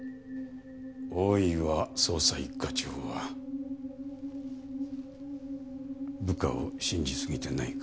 大岩捜査一課長は部下を信じすぎてないか？